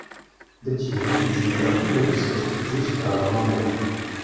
De tie ĝi rapide disvastiĝis tra la mondo.